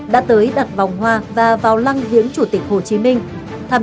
đã tới đặt vòng hoa và vào lăng viếng chủ tịch hồ chí minh